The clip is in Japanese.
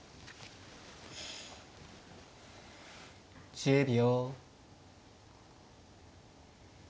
１０秒。